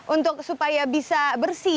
untuk supaya bisa bersih